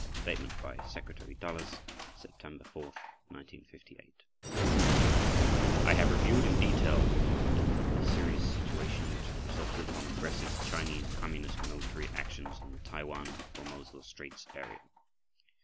Statement by Secretary Dulles, September 4, 1958 Return to Table of Contents I have reviewed in detail with the President the serious situation which has resulted from aggressive Chinese Communist military actions in the Taiwan (Formosa) Straits area.